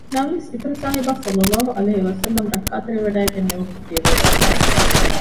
ނަމަވެސް އިތުރުސާހިބާ ޞައްލަﷲ ޢަލައިހި ވަސައްލަމަ ރައްކާތެރިވެވަޑައިގެންނެވުމުގެ ފިޔަވަޅު އެޅުއްވި